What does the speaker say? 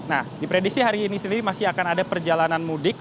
nah diprediksi hari ini sendiri masih akan ada perjalanan mudik